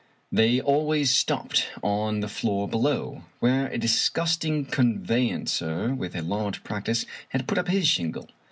They always stopped on the floor below, where a disgusting conveyancer, with a large practice, had put up his shingle.